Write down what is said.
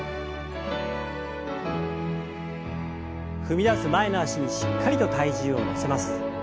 踏み出す前の脚にしっかりと体重を乗せます。